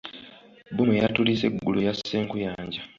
Bbomu eyatulise aggulo, yasse nkuyanja.